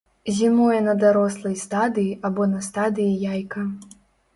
Зімуе на дарослай стадыі або на стадыі яйка.